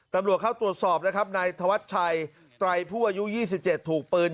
ตำรวจเข้าตรวจสอบนะครับนายธวัชชัยไตรผู้อายุ๒๗ถูกปืน